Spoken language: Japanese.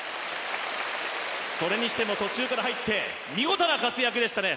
それにしても途中から入って見事な活躍でしたね。